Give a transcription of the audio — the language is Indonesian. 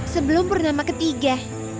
sebelum purnama ketiga